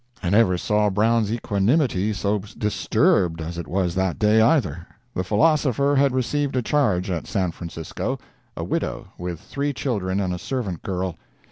I never saw Brown's equanimity so disturbed as it was that day, either. The philosopher had received a charge at San Francisco—a widow, with three children and a servant girl.